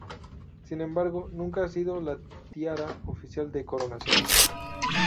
Sin embargo, nunca ha sido la tiara oficial de coronación.